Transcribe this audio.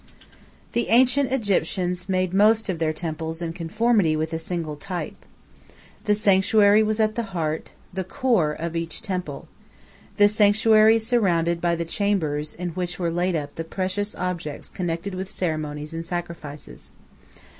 The ancient Egyptians made most of their temples in conformity with a single type. The sanctuary was at the heart, the core, of each temple the sanctuary surrounded by the chambers in which were laid up the precious objects connected with ceremonies and sacrifices.